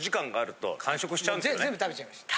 全部食べちゃいました。